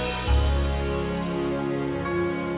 sampai jumpa lagi